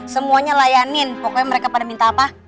semuanya layanin pokoknya mereka pada minta apa